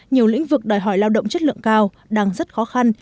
nhiều lĩnh vực đòi hỏi lao động chất lượng cao đang rất khó khăn